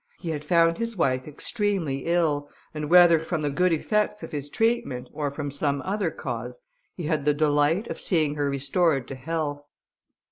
He had found his wife extremely ill, and whether from the good effects of his treatment, or from some other cause, he had the delight of seeing her restored to health.